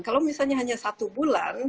kalau misalnya hanya satu bulan